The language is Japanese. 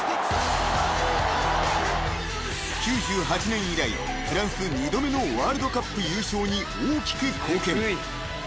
［９８年以来フランス２度目のワールドカップ優勝に大きく貢献］